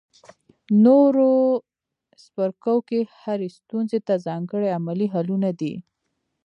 نورو څپرکو کې هرې ستونزې ته ځانګړي عملي حلونه دي.